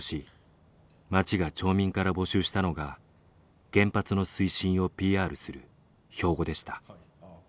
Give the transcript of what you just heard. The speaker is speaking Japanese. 町が町民から募集したのが原発の推進をＰＲする標語でした。